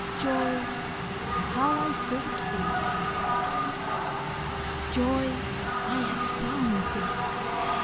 Joy, how I sought thee! Joy, I have found thee!